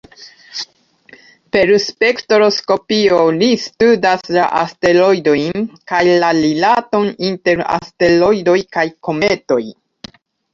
Per spektroskopio, li studas la asteroidojn, kaj la rilaton inter asteroidoj kaj kometoj.